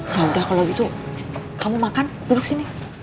yaudah kalau gitu kamu makan duduk sini